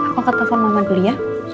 aku angkat telepon mama dulu ya